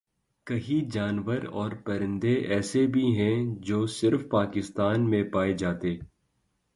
کہیں جانور اور پرندے ایسے بھی ہیں جو صرف پاکستان میں پائے جاتے